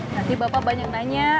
nanti bapak banyak nanya